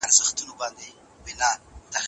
ستړیا د هڅونې کچه کموي.